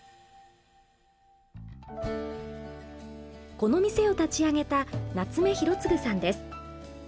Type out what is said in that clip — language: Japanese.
この店を立ち上げた夏目浩次さんです。